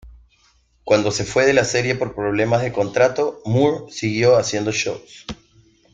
Cuando se fue de la serie por problemas de contrato, Moore siguió haciendo shows.